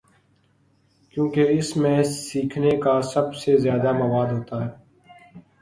کیونکہ اس میں سیکھنے کا سب سے زیادہ مواد ہو تا ہے۔